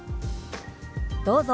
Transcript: どうぞ。